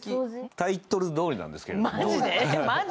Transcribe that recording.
タイトルどおりなんですけど。